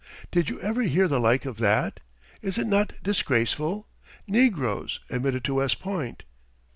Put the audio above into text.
Did you ever hear the like of that? Is it not disgraceful? Negroes admitted to West Point!"